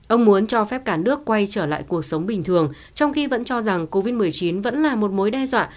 ông muốn cho phép cả nước quay trở lại cuộc sống bình thường trong khi vẫn cho rằng covid một mươi chín vẫn là một mối đe dọa